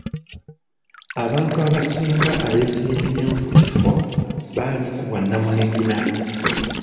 Abantu abasinga abeesimbyewo ku kifo bali ku bwa nnamunigina.